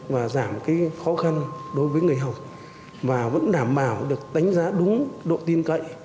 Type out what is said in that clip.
và giảm cái khó khăn đối với người học và vẫn đảm bảo được đánh giá đúng độ tin cậy